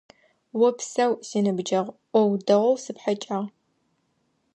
Опсэу, си ныбджэгъу, Ӏоу дэгъоу сыпхьэкӀагъ.